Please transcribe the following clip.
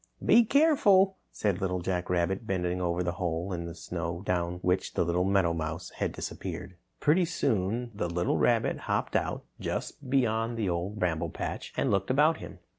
"Be careful," said Little Jack Rabbit, bending over the hole in the snow down which the little meadowmouse had disappeared. Pretty soon, the little rabbit hopped out just beyond the Old Bramble Patch and looked about him.